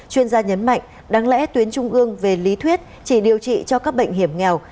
chuyên gia nhấn mạnh đáng lẽ tuyến trung ương về lý thuyết chỉ điều trị cho các bệnh hiểm nghèo